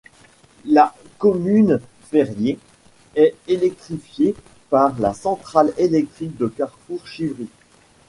La commune Ferrier est électrifiée par la centrale électrique de carrefour Chivri.